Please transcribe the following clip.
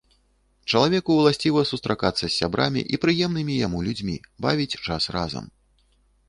Чалавеку ўласціва сустракацца з сябрамі і прыемнымі яму людзьмі, бавіць час разам.